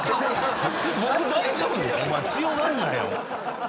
僕大丈夫です！お前強がんなよ。